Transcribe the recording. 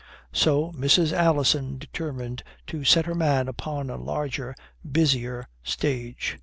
So Mrs. Alison determined to set her man upon a larger, busier stage.